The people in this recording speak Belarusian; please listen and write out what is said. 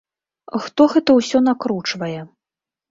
Хто гэта ўсё накручвае?